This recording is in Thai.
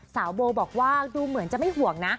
โบบอกว่าดูเหมือนจะไม่ห่วงนะ